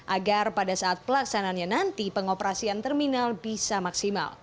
agar pada saat pelaksananya nanti pengoperasian terminal bisa maksimal